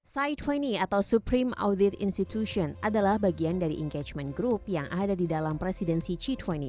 cy dua puluh atau supreme audit institution adalah bagian dari engagement group yang ada di dalam presidensi g dua puluh